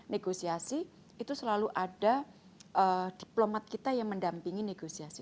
negosiasi itu selalu ada diplomat kita yang mendampingi negosiasi